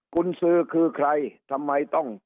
คุณซื้อคือใครทำไมต้อง